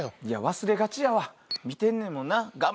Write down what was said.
いや忘れがちやわ見てんねんもんな。